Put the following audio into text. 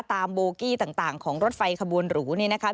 โบกี้ต่างของรถไฟขบวนหรูนี่นะคะ